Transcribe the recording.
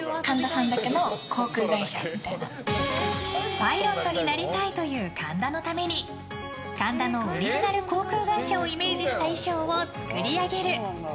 パイロットになりたいという神田のために神田のオリジナル航空会社をイメージした衣装を作り上げる。